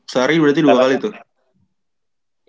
sehari berarti dua kali tuh